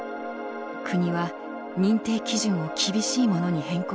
国は認定基準を厳しいものに変更しました。